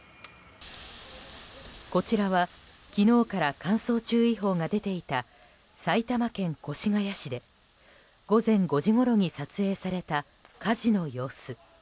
こちらは昨日から乾燥注意報が出ていた埼玉県越谷市で午前５時ごろに撮影された火事の様子。